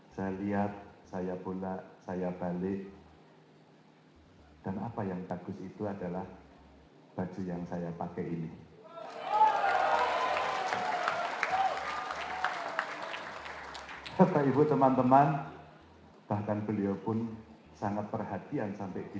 saya lihat saya pulak saya balik dan apa yang bagus itu adalah baju yang saya pakai ini